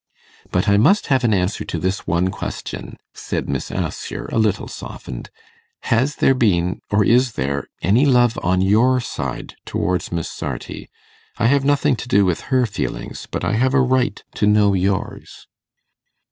'But I must have an answer to this one question,' said Miss Assher, a little softened: 'Has there been, or is there, any love on your side towards Miss Sarti? I have nothing to do with her feelings, but I have a right to know yours.